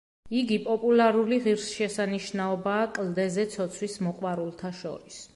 იგი პოპულარული ღირსშესანიშნაობაა კლდეზე ცოცვის მოყვარულთა შორის.